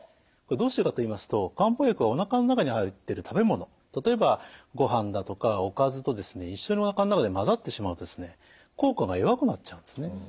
どうしてかと言いますと漢方薬はおなかの中に入ってる食べ物例えばごはんだとかおかずと一緒におなかの中で混ざってしまうと効果が弱くなっちゃうんですね。